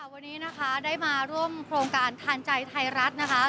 วันนี้นะคะได้มาร่วมโครงการทานใจไทยรัฐนะคะ